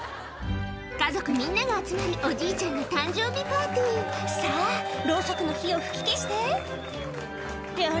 家族みんなが集まるおじいちゃんの誕生日パーティーさぁロウソクの火を吹き消してってあれ？